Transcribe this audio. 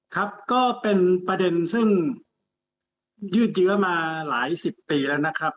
ครับก็เป็นประเด็นซึ่งยืดเยื้อมาหลายสิบปีแล้วนะครับ